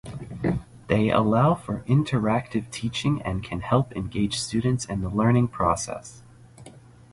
They allow for interactive teaching and can help engage students in the learning process.